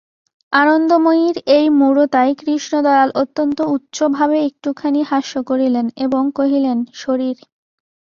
আনন্দময়ীর এই মূঢ়তায় কৃষ্ণদয়াল অত্যন্ত উচ্চভাবে একটুখানি হাস্য করিলেন এবং কহিলেন, শরীর!